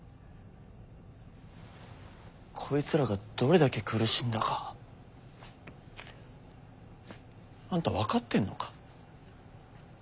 こいつらがどれだけ苦しんだかあんた分かってんのか？